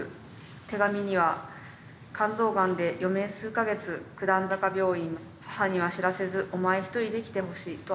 手紙には『肝臓がんで余命数か月九段坂病院母には知らせずお前一人で来てほしい』とあった。